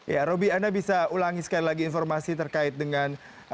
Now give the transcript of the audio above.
ya roby anda bisa ulangi sekali lagi informasi terkait dengan